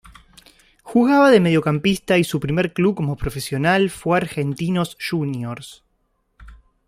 Jugaba de mediocampista y su primer club como profesional fue Argentinos Juniors.